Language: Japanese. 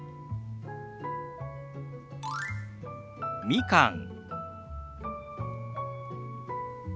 「みかん」。